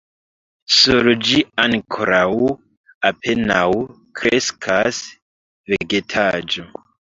Sur ĝi ankoraŭ apenaŭ kreskas vegetaĵo.